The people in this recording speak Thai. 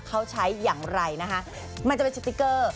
เขาใช้อย่างไรนะคะมันจะเป็นสติ๊กเกอร์